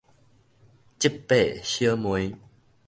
叔伯小妹